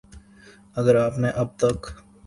اگر آپ نے اب تک